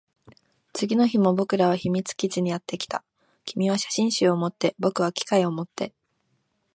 次の日も僕らは秘密基地にやってきた。君は写真集を持って、僕は機械を持って。